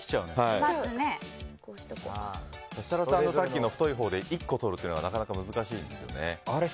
設楽さんもさっきの太いほうで１個取るというのがなかなか難しいんですよね。